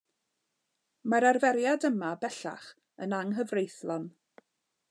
Mae'r arferiad yma, bellach, yn anghyfreithlon.